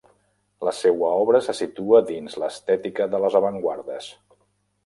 La seua obra se situa dins l'estètica de les avantguardes.